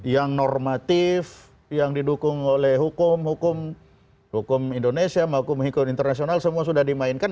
yang normatif yang didukung oleh hukum hukum indonesia hukum hukum internasional semua sudah dimainkan